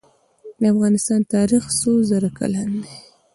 د افغانستان تاریخ څو زره کلن دی؟